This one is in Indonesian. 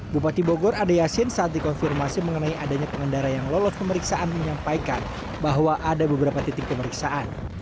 bupati bogor ade yasin saat dikonfirmasi mengenai adanya pengendara yang lolos pemeriksaan menyampaikan bahwa ada beberapa titik pemeriksaan